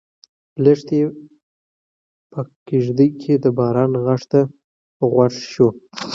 لښتې په خپله کيږدۍ کې د باران غږ ته غوږ شو.